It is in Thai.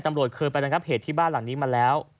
ตำรวจเคยไประงับเหตุที่บ้านหลังนี้มาแล้ว